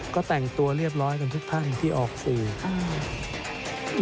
ก็แต่งตัวเรียบร้อยกันทุกท่านที่ออกสื่อ